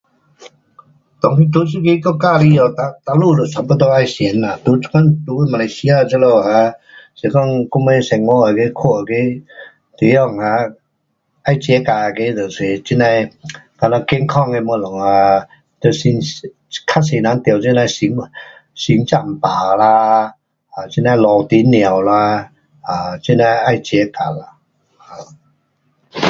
当今在这个国家里下哪，哪里都差不多要同啦，在这款，在马来西亚这里哈，是讲我们生活那个，看那个地方哈，要 jaga 那个就是这样的咱们健康的东西啊，就是较多人中这样的心，心脏病啦，啊这样的小甜尿啦，啊怎样的要 jaga 啦。